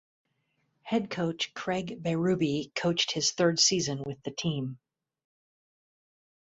Head coach Craig Berube coached his third season with the team.